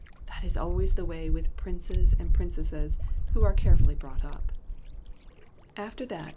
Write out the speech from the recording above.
That is always the way with princes and princesses who are care fully brought up. After that.